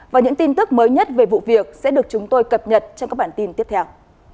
và những tin tức mới nhất về vụ việc sẽ được chúng tôi cập nhật trong các bản tin tiếp theo